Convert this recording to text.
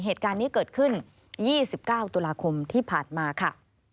เหตุการณ์นี้เกิดขึ้น๒๙ตุลาคมที่ผ่านมาค่ะ